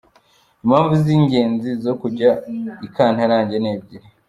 Impamvu z’ingenzi zo kujya ikantarange ni ebyiri.